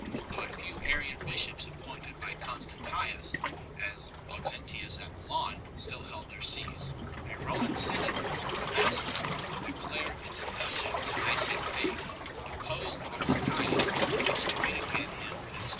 though a few Arian bishops appointed by Constantius as Aux entius at Milan still held their sees. A Roman synod under Damasus declared its adhesion to the Nicene faith, deposed Auxentius, and excommunicated him and his fol 1 Socrates in.